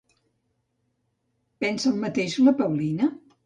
Pensa el mateix la Paulina?